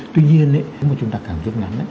tuy nhiên nếu mà chúng ta càng dứt ngắn